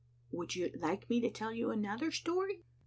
" Would you like me to tell you another story?